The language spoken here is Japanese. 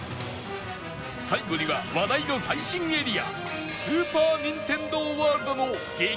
最後には話題の最新エリアスーパー・ニンテンドー・ワールドの激